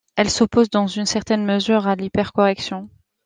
Elle s'oppose dans une certaine mesure à l'hypercorrection.